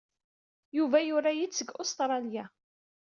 Yuba yura-yi-d seg Ustṛalya.